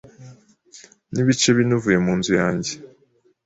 Nibice bine uvuye munzu yanjye.